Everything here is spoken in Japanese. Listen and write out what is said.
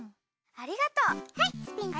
ありがとう。